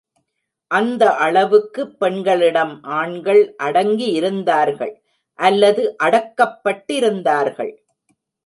அந்த அளவுக்கு பெண்களிடம் ஆண்கள் அடங்கியிருந்தார்கள், அல்லது அடக்கப்பட்டிருந்தார்கள்.